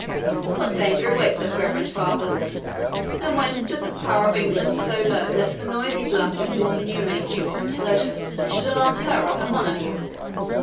What danger awaits us, reverend father? and when stood the power of England so low that the noisy bluster of this new made Duke's displeasure should alarm her or her monarch?"